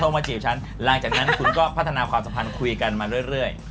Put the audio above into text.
มาจีบฉันหลังจากนั้นคุณก็พัฒนาความสัมพันธ์คุยกันมาเรื่อย